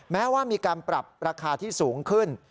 แม้ว่ามีการปรับราคาที่สูงขึ้น